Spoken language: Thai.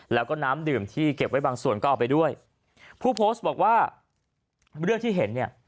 แล้วก็น้ำดื่มที่เก็บไว้บางส่วนก็เอาไปด้วยผู้โพสต์บอกว่าเรื่องที่เห็นเนี่ย